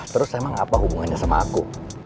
terus emang apa hubungannya sama aku